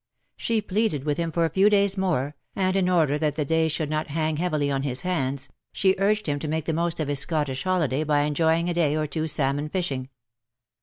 She pleaded with him for a few days more^ and in order that the days should not hang heavily on his hands, she urged him to make the most of his Scottish holiday by enjoying a day or two^s salmon fishing.